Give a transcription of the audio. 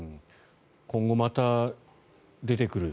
今後また出てくる。